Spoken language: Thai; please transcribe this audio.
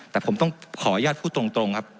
แต่ผมต้องขออนุญาตพูดตรงครับ